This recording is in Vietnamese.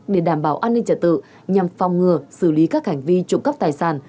để đảm bảo an ninh trả tự nhằm phòng ngừa xử lý các hành vi trụng cấp tài sản